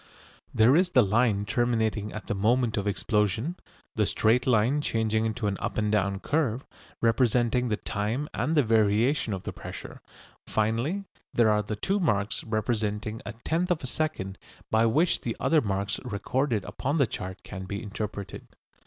There is the line terminating at the moment of explosion; the straight line changing into an up and down curve, representing the time and the variation of the pressure; finally there are the two marks representing a tenth of a second by which the other marks recorded upon the chart can be interpreted.